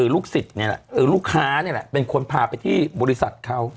ลูกศิษย์นี่แหละลูกค้านี่แหละเป็นคนพาไปที่บริษัทเขา